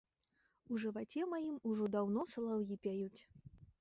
У жываце маім ужо даўно салаўі пяюць.